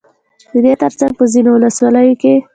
ددې ترڅنگ په ځينو ولسواليو كې